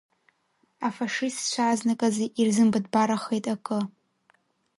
Афашистцәа азныказы ирзымбатәбарахеит акы…